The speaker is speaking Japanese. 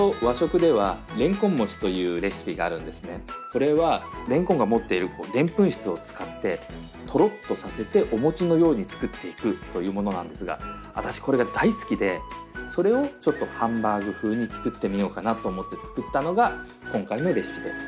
これはれんこんが持っているでんぷん質を使ってトロッとさせてお餅のように作っていくというものなんですが私これが大好きでそれをハンバーグ風に作ってみようかなと思って作ったのが今回のレシピです。